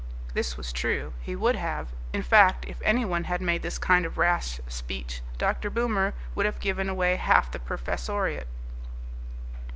This was true. He would have. In fact, if anyone had made this kind of rash speech, Dr. Boomer would have given away half the professoriate.